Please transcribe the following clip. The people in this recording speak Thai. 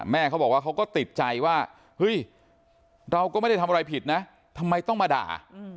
แม่เขาบอกว่าเขาก็ติดใจว่าเฮ้ยเราก็ไม่ได้ทำอะไรผิดนะทำไมต้องมาด่า